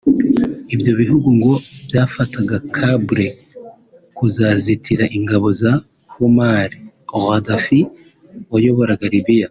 Ibyo bihugu ngo byafataga Habré nk’uzazitira ingabo za Muammar Gaddafi wayoboraga Libya